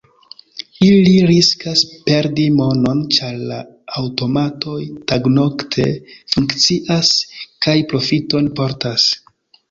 Ili riskas perdi monon, ĉar la aŭtomatoj tagnokte funkcias kaj profiton portas.